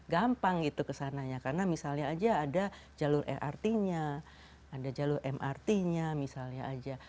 gampang itu kesananya karena misalnya aja ada jalur lrt nya ada jalur mrt nya misalnya aja